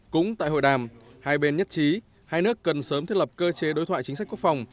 cũng tại hội đàm hai bên nhất trí hai nước cần sớm thiết lập cơ chế đối thoại chính sách quốc phòng